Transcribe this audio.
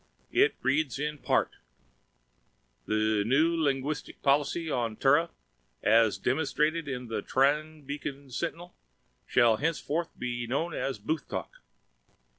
It reeds in part: "Th nw linguistic policy on Trra, as dmonstratd in th Trran Bacon Sntinl, shall hncforth b known as Boothtalk."